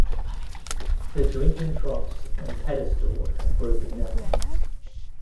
The drinking troughs and pedestal have broken down.